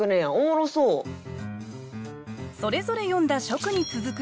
それぞれ詠んだ初句に続く